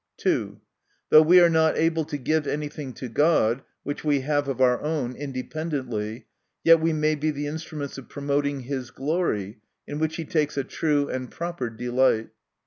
2. Though we are not able to give any thing to God, which we have of our own, independently; yet we may be instruments of promoting his glory, in which he takes a true and proper delight.